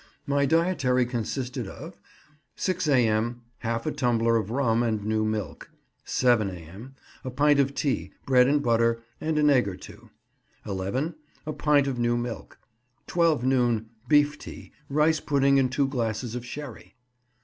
My dietary consisted of— 6 A.M. —Half a tumbler of rum and new milk. 7 ,, —A pint of tea, bread and butter, and an egg or two. 11 ,, —A pint of new milk. 12 noon —Beef tea, rice pudding, and two glasses of sherry.